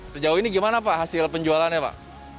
sejauh ini gimana pak hasil penjualannya pak